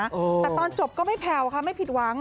แต่ตอนจบก็ไม่แผ่วค่ะไม่ผิดหวัง